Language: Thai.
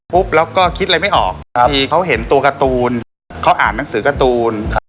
แล้วก็คิดอะไรไม่ออกบางทีเขาเห็นตัวการ์ตูนเขาอ่านหนังสือการ์ตูน